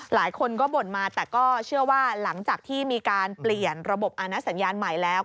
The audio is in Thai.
หลายคนก็บ่นมาแต่ก็เชื่อว่าหลังจากที่มีการเปลี่ยนระบบอาณสัญญาณใหม่แล้ว